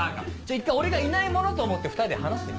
一回俺がいないものと思って２人で話してみ。